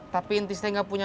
tapi entis teh gak punya